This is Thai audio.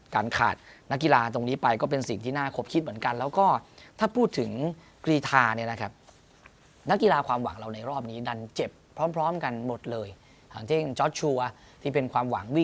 การขาดนักกีฬาตรงนี้ไปก็เป็นสิ่งที่น่าครบคิดเหมือนกัน